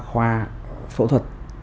khoa phẫu thuật